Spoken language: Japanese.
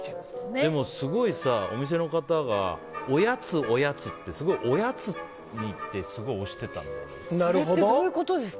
でも、すごいお店の方がおやつ、おやつってすごい、おやつにってそれってどういうことですか？